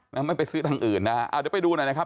ไม่ไปซื้อทางอื่นนะฮะอ่าเดี๋ยวไปดูหน่อยนะครับ